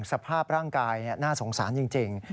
สภาพร่างกายน่าสงสารจริง